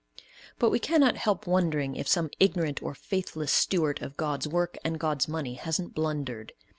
But we cannot help wondering if some ignorant or faithless steward of God's work and God's money hasn't blundered.